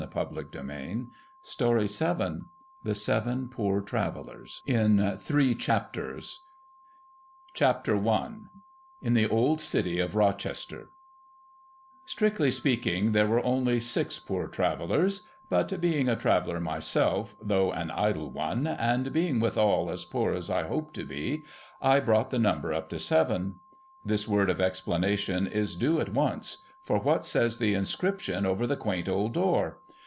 THE SEVEN POOR TRAVELLERS ■ THE SEVEN POOR TRAVELLERS 3n Uhvcc Cbapters CHAPTER I IN THE OLD CITY OF ROCHESTER Strictly speaking, there were only six Poor Travellers ; but, being a Traveller myself, though an idle one, and being withal as poor as I hope to be, I brought the number up to seven. This word of explanation is due at once, for what says the inscription over the quaint old door